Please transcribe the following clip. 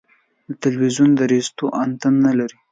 د تلوزیون ریسیور انتن نلري